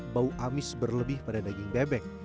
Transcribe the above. bau amis berlebih pada daging bebek